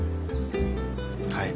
はい。